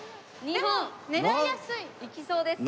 でも狙いやすい。